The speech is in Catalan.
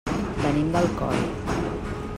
Venim d'Alcoi.